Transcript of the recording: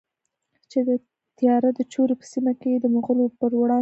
چې د تیرا د چورې په سیمه کې یې د مغولو پروړاندې کولې؛